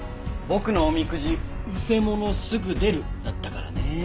僕のおみくじ「失せ物すぐ出る」だったからね。